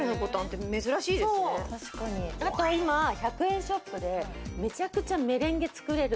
あと今１００円ショップでめちゃくちゃメレンゲ作れる